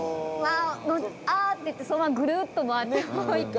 あっていってそのままぐるっと回ってもう一回。